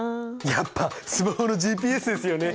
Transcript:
やっぱスマホのＧＰＳですよね。